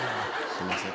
すいません。